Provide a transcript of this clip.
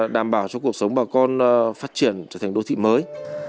đảm bảo cho cuộc sống bà con phát triển trở thành đô thị mới